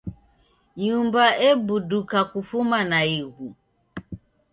Nyumba ebuduka kufuma naighu.